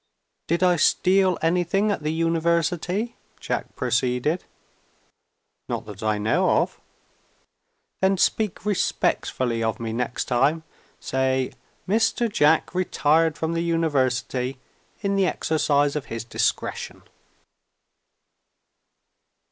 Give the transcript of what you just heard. "Did I steal anything at the University?" Jack proceeded. "Not that I know of." "Then speak respectfully of me, next time. Say, 'Mr. Jack retired from the University, in the exercise of his discretion.'"